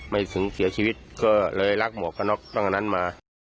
ไม่ถึงเสียชีวิตก็เลยรักหมวกกระน็อกตรงนั้นมา